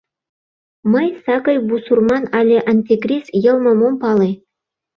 Мый сакый бусурман али антикрис йылмым ом пале.